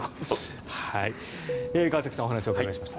川崎さんにお話をお伺いしました。